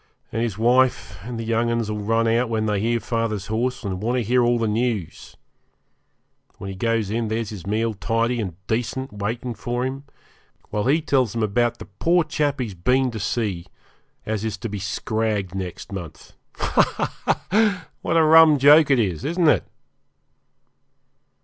And his wife and the young 'uns 'll run out when they hear father's horse, and want to hear all the news. When he goes in there's his meal tidy and decent waiting for him, while he tells them about the poor chap he's been to see as is to be scragged next month. Ha! ha! what a rum joke it is, isn't it?